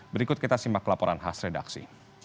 berikut kita simak laporan khas redaksi